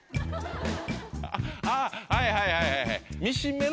あっはいはいはいはい。